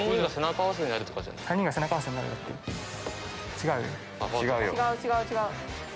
違う違う違う。